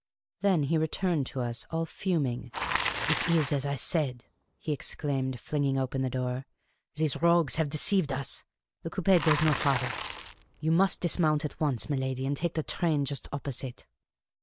Then he returned to us, all fuming. " It is as I said," he exclaimed, flinging open the door. '' These rogues have deceived us. The coupe goes no farther. You must dismount at once, miladi, and take the train just opposite."